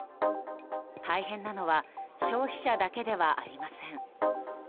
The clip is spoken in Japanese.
大変なのは消費者だけではありません。